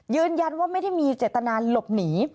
ยืนยันว่าไม่ได้มีเจตนาหลบหนี